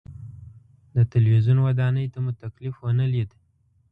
د تلویزیون ودانۍ ته مو تکلیف ونه لید.